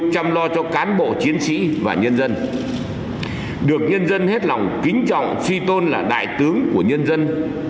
chăm lo cho cán bộ chiến sĩ và nhân dân được nhân dân hết lòng kính trọng suy tôn là đại tướng của nhân dân